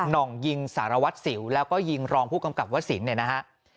ห่องยิงสารวัตรสิวแล้วก็ยิงรองผู้กำกับวสินเนี่ยนะฮะ